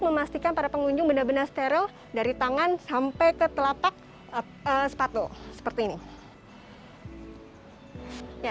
memastikan para pengunjung benar benar steril dari tangan sampai ke telapak sepatu seperti ini ya